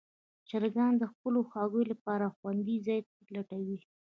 چرګان د خپلو هګیو لپاره خوندي ځای لټوي.